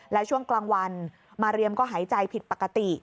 และช่วงกลางวันมาเรียมก็หายใจผิดปกติ